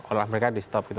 kalau mereka di stop gitu